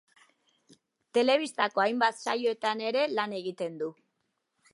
Telebistako hainbat saiotan ere lan egiten du.